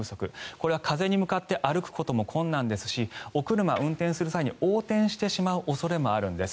これは風に向かって歩くことも困難ですしお車を運転する際に横転してしまう恐れもあるんです。